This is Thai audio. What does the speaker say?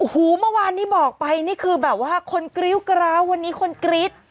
เมื่อวานที่บอกไปนี่คือแบบว่าคนกริ้วกร้าววันนี้คนกรี๊ด